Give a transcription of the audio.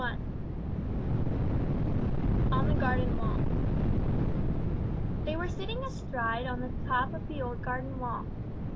I ON THE GARDEN WALL They were sitting astride on the top of the old garden wall.